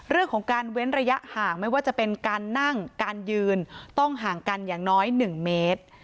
เรื่องของการเว้นระยะห่างไม่ว่าจะเป็นการนั่งการยืนต้องห่างกันอย่างน้อย๑เมตร